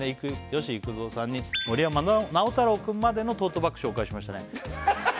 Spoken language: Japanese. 吉幾三さんに森山直太朗君までのトートバッグ紹介しましたね